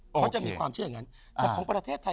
เขาจะมีความเชื่ออย่างงั้น